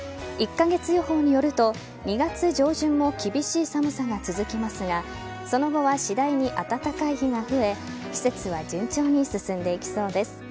１カ月予報によると２月上旬も厳しい寒さが続きますがその後は次第に暖かい日が増え季節は順調に進んでいきそうです。